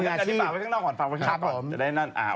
อ่ะมึงจะเอาที่ปากไว้ข้างนอกของคุณมาก่อน